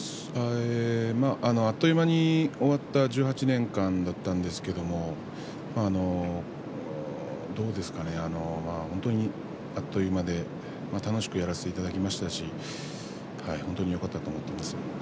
あっという間に終わった１８年間だったんですけど、どうでしたかねあっという間で楽しくやらせていただきましたし本当によかったと思います。